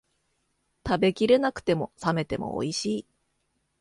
食べきれなくても、冷めてもおいしい